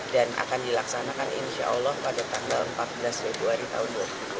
dan akan dilaksanakan insya allah pada tanggal empat belas februari tahun dua ribu dua puluh dua